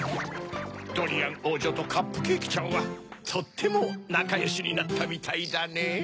ドリアンおうじょとカップケーキちゃんはとってもなかよしになったみたいだねぇ。